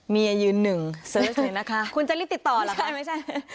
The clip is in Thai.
เมียยืนหนึ่งหล่อละค่ะคุณจะรีบติดต่อดีกว่าไม่ใช่ไม่ใช่